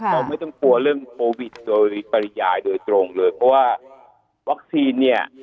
เราไม่ต้องกลัวเรื่องโควิดโดยปริยายโดยตรงเลยเพราะว่าวัคซีนเนี่ย